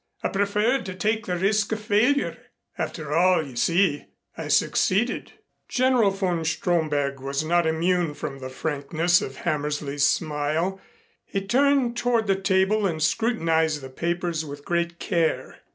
I preferred to take the risk of failure. After all, you see, I succeeded." General von Stromberg was not immune from the frankness of Hammersley's smile. He turned toward the table and scrutinized the papers with great care.